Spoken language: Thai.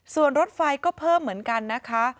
ส่วนรถไฟก็เพิ่มเหมือนกันนะคะ